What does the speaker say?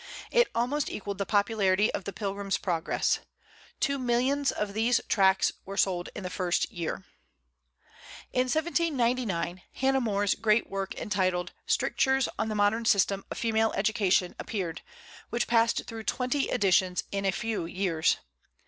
It almost equalled the popularity of the "Pilgrim's Progress." Two millions of these tracts were sold in the first year. In 1799 Hannah More's great work entitled "Strictures on the Modern System of Female Education" appeared, which passed through twenty editions in a few years.